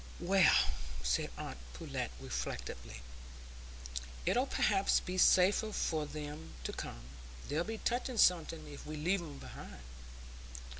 "Well," said aunt Pullet, reflectively, "it'll perhaps be safer for 'em to come; they'll be touching something if we leave 'em behind."